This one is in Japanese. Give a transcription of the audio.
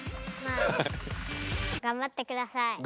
まあがんばってください。